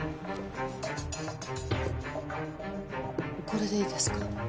これでいいですか？